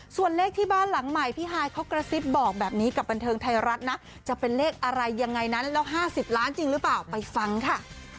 ส่วนเลขที่บ้านหลังใหม่พี่ฮายเขากระซิบบอกแบบนี้กับบันเทิงไทยรัฐนะจะเป็นเลขอะไรยังไงนั้นแล้ว๕๐ล้านจริงหรือเปล่าไปฟังค่ะ